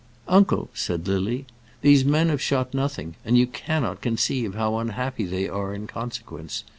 "Uncle," said Lily, "these men have shot nothing, and you cannot conceive how unhappy they are in consequence.